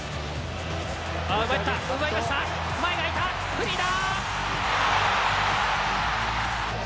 フリーだ！